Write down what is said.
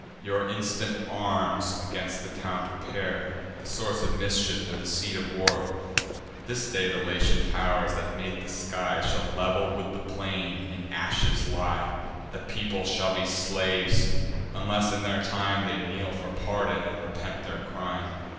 Your instant arms against the town prepare, The source of mischief, and the seat of war. This day the Latian tow'rs, that mate the sky, Shall level with the plain in ashes lie: The people shall be slaves, unless in time They kneel for pardon, and repent their crime.